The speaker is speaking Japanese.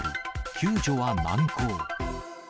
救助は難航。